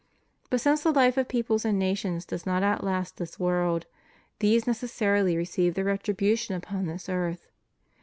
But since the fife of peoples and nations does not outlast this world, these necessarily receive their retribution upon this earth.